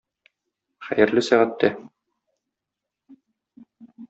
Хәерле сәгатьтә!